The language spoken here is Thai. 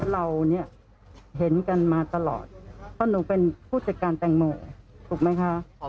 เราเนี่ยเห็นกันมาตลอดเพราะหนูเป็นผู้จัดการแตงโมถูกไหมคะ